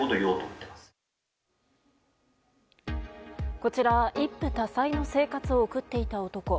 こちら、一夫多妻の生活を送っていた男。